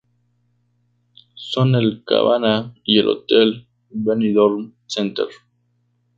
Son el Cabana y el hotel Benidorm Center.